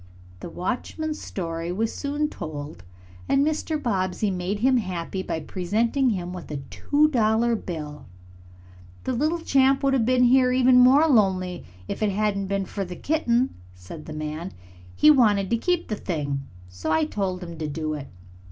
The watchman's story was soon told, and Mr. Bobbsey made him happy by presenting him with a two dollar bill. "The little chap would have been even more lonely if it hadn't been for the kitten," said the man. "He wanted to keep the thing, so I told him to do it."